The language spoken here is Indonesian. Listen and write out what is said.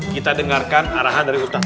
kita dengarkan arahan dari utang